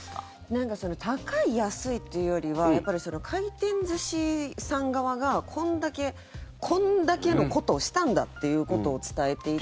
何か高い、安いっていうよりはやっぱりその回転寿司さん側がこんだけこんだけのことをしたんだっていうことを伝えていて。